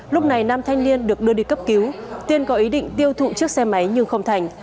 lúc này nam thanh niên được đưa đi cấp cứu tiên có ý định tiêu thụ chiếc xe máy nhưng không thành